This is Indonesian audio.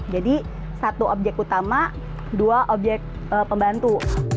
jadi satu objek utama dua objek pembantu